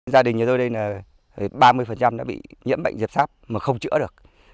gia đình như tôi đây là ba mươi đã bị nhiễm bệnh dẹp sáp mà không chữa được